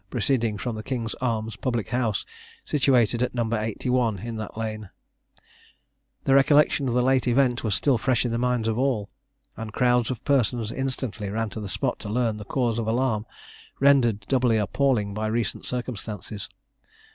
proceeding from the King's Arms public house, situated at No. 81 in that lane The recollection of the late event was still fresh in the minds of all, and crowds of persons instantly ran to the spot to learn the cause of alarm, rendered doubly appalling by recent circumstances.